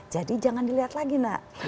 jadi jangan dilihat lagi nak